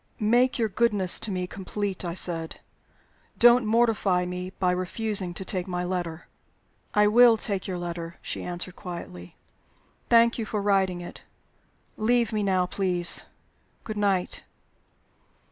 "Make your goodness to me complete," I said. "Don't mortify me by refusing to take my letter." "I will take your letter," she answered, quietly. "Thank you for writing it. Leave me now, please. Good night."